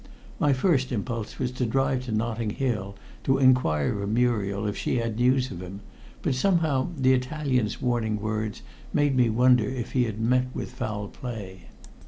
My first impulse was to drive to Notting Hill to inquire of Muriel if she had news of him, but somehow the Italian's warning words made me wonder if he had met with foul play.